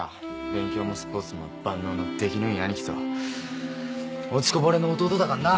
勉強もスポーツも万能の出来のいい兄貴と落ちこぼれの弟だかんな。